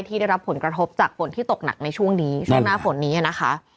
ที่ได้รับผลกระทบจากฝนที่ตกหนักในช่วงนี้ช่วงหน้าฝนนี้นะคะ